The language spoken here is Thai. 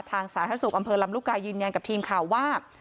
สาธารณสุขอำเภอลำลูกกายืนยันกับทีมข่าวว่า